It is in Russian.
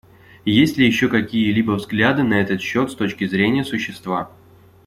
Есть ли еще какие-либо взгляды на этот счет с точки зрения существа?